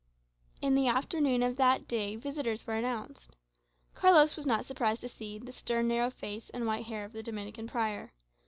In the afternoon of that day visitors were announced. Carlos was not surprised to see the stern narrow face and white hair of the Dominican prior.